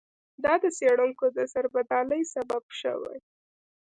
دا د څېړونکو د سربدالۍ سبب شوی.